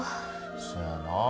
そやなあ。